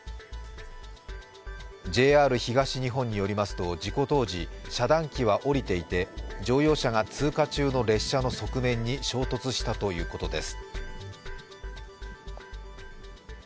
ＪＲ東日本によりますと事故当時遮断機は下りていて乗用車が通過中の列車の側面に衝突したということです。